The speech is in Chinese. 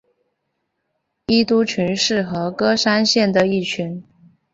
伊都郡是和歌山县的一郡。